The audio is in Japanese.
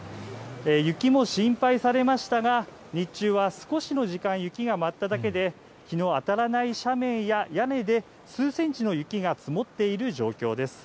雪も心配されましたが、日中は少しの時間、雪が舞っただけで、日の当たらない斜面や屋根で数センチの雪が積もっている状況です。